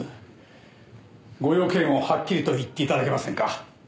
ご用件をはっきりと言って頂けませんか？